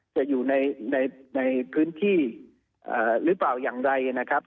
จะอยู่ในพื้นที่หรือเปล่าอย่างไรนะครับ